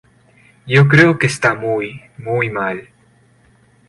Yo creo que está muy, muy mal".